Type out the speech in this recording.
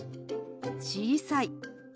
「小さい」。